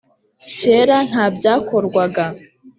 kera nta byakorwaga